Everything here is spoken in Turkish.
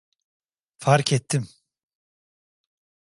Fark ettim.